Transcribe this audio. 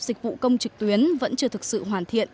dịch vụ công trực tuyến vẫn chưa thực sự hoàn thiện